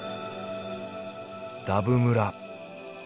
ダブ村。